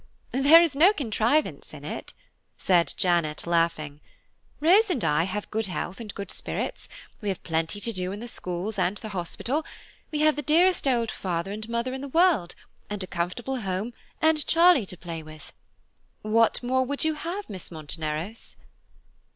"There is no contrivance in it," said Janet, laughing; "Rose and I have good health and good spirits; we have plenty to do in the schools and the hospital; we have the dearest old father and mother in the world, and a comfortable home, and Charlie to play with. What more would you have, Miss Monteneros?"